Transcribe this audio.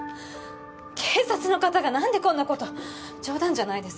警察の方が何でこんなこと冗談じゃないです